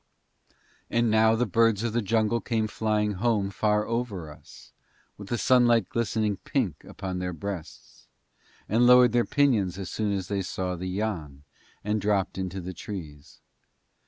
And now the birds of the jungle came flying home far over us, with the sunlight glistening pink upon their breasts, and lowered their pinions as soon as they saw the Yann, and dropped into the trees.